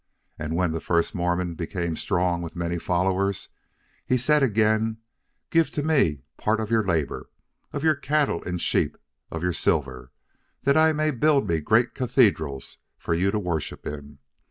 And when the first Mormon became strong with many followers he said again: Give to me part of your labor of your cattle and sheep of your silver that I may build me great cathedrals for you to worship in.